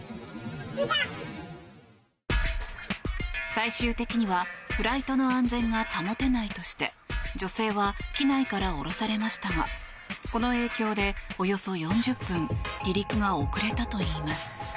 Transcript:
最終的にはフライトの安全が保てないとして女性は機内から降ろされましたがこの影響でおよそ４０分離陸が遅れたといいます。